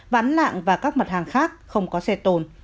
ván lạng và các mặt hàng khác không có xe tồn